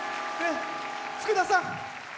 福田さん。